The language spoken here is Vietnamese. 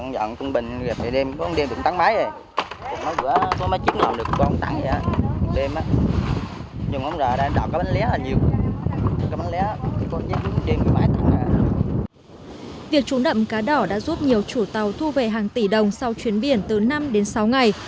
việc trúng đậm cá đỏ đã giúp nhiều chủ tàu thu về hàng tỷ đồng sau chuyến biển từ năm đến sáu ngày